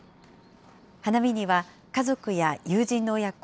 花見には家族や友人の親子